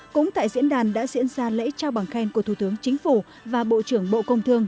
cũng tại diễn đàn đã diễn ra lễ trao bằng khen của thủ tướng chính phủ và bộ trưởng bộ công thương